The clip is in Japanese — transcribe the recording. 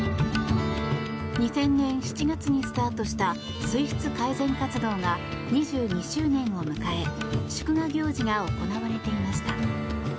２０００年７月にスタートした水質改善活動が２２周年を迎え祝賀行事が行われていました。